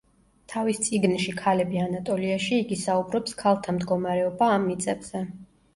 თავის წიგნში „ქალები ანატოლიაში“, იგი საუბრობს ქალთა მდგომარეობა ამ მიწებზე.